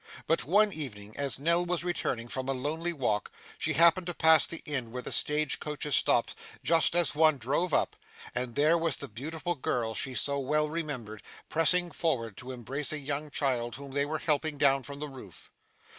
But one evening, as Nell was returning from a lonely walk, she happened to pass the inn where the stage coaches stopped, just as one drove up, and there was the beautiful girl she so well remembered, pressing forward to embrace a young child whom they were helping down from the roof.